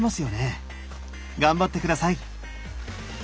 頑張って下さい！